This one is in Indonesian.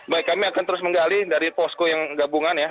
baik kami akan terus menggali dari posko yang gabungan ya